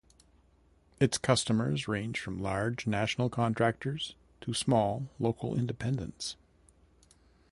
Its customers range from large national contractors to small, local independents.